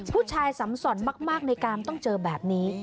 ผู้ชายสำส่อนมากในการต้องเจอแบบนี้